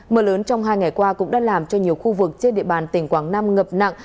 mưa lớn trong hai ngày qua cũng đã làm cho nhiều khu vực trên địa bàn tỉnh quảng nam ngập nặng